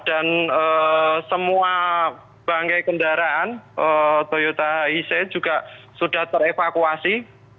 dan semua bangkai kendaraan toyota ice juga sudah terevakuasi